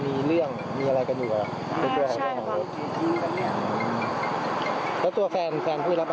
เมื่อเขาพอรู้ว่าเป็นใครอย่างนั้น